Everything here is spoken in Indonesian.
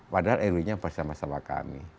padahal ru nya bersama sama kami